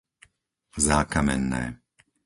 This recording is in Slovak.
Zákamenné